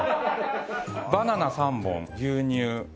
バナナ３本牛乳卵。